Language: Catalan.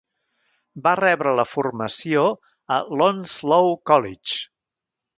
Va rebre la formació a l'Onslow College.